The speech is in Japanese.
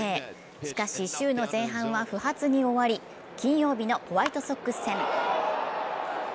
しかし週の前半は不発に終わり、金曜日のホワイトソックス戦。